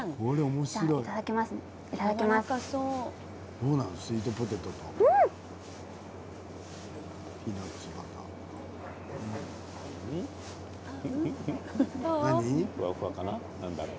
どうなんだろう？